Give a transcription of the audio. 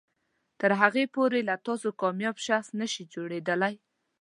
تر هغې پورې له تاسو کاميابه شخص نشي جوړیدلی